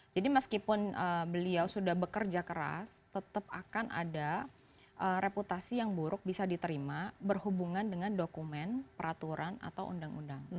jadi meskipun beliau sudah bekerja keras tetap akan ada reputasi yang buruk bisa diterima berhubungan dengan dokumen peraturan atau undang undang